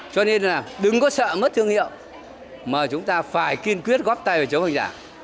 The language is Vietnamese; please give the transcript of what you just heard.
cho nên đừng có sợ mất thương hiệu mà chúng ta phải kiên quyết góp tay chống hàng giả